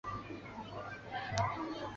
李添保人。